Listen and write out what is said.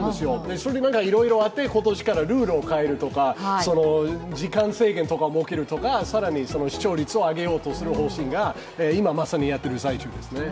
それでいろいろあって今年からルールを変えるとか時間制限とかを設けるとか、更に視聴率を上げようとする方針が今まさにやっている最中ですね。